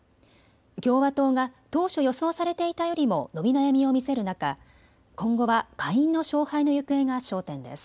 共和党が当初、予想されていたよりも伸び悩みを見せる中、今後は下院の勝敗の行方が焦点です。